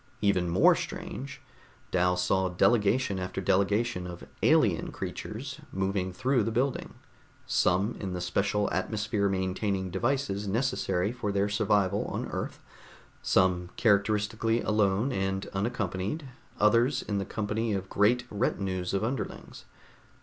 Even more strange, Dal saw delegation after delegation of alien creatures moving through the building, some in the special atmosphere maintaining devices necessary for their survival on Earth, some characteristically alone and unaccompanied, others in the company of great retinues of underlings.